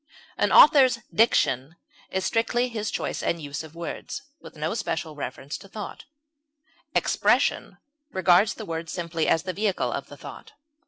An author's diction is strictly his choice and use of words, with no special reference to thought; expression regards the words simply as the vehicle of the thought.